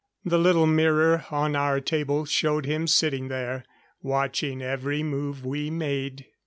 The little mirror on our table showed him sitting there, watching every move we made.